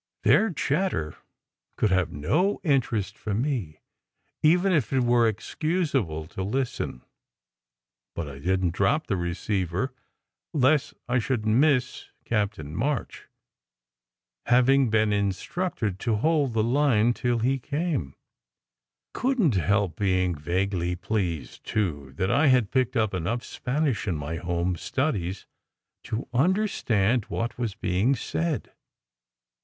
Their chatter could have no interest for me, even if it were excusable to listen, but I didn t drop the receiver lest I should miss Captain March, having been in 106 SECRET HISTORY structed to hold the line till he came. I couldn t help being vaguely pleased, too, that I had picked up enough Spanish in my home studies to understand what was being said.